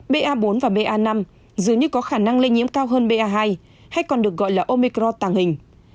ba bốn và ba năm dường như có khả năng lây nhiễm cao hơn ba hai hay còn được gọi là omicro tàng hình